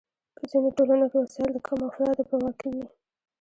په ځینو ټولنو کې وسایل د کمو افرادو په واک کې وي.